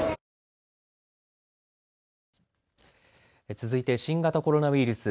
続いて新型コロナウイルス。